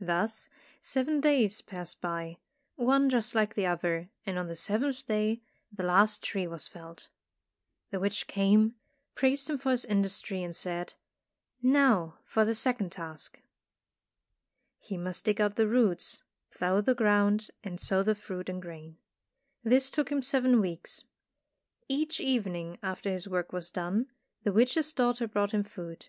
Thus seven days passed by, one just like the other, and on the seventh day the last tree was felled. The witch came, praised him for his industry and said, "Now for the second task." He must dig out the roots, plough the ground and sow the fruit and grain. This took him seven weeks. Each evening after his work was done, the witch's daughter brought him food.